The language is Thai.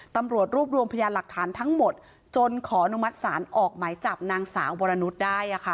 ตำรวจรวบรวมพยานหลักฐานทั้งหมดจนขออนุมัติศาลออกหมายจับนางสาววรนุษย์ได้